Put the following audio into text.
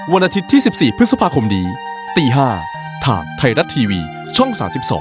วันอาทิตย์ที่๑๔พฤษภาคมนี้ตี๕ทางไทยรัฐทีวีช่อง๓๒